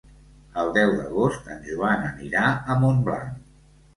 El deu d'agost en Joan anirà a Montblanc.